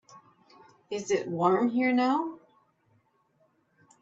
Is it warm here now?